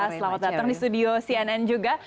selamat datang di studio cnn juga